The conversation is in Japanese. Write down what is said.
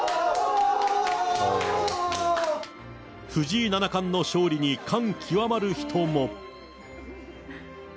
藤井七冠の勝利に感極まる人も。